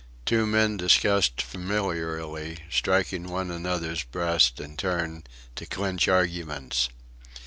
Two men discussed familiarly, striking one another's breast in turn, to clinch arguments.